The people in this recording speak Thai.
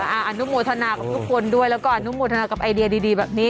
อนุโมทนากับทุกคนด้วยแล้วก็อนุโมทนากับไอเดียดีแบบนี้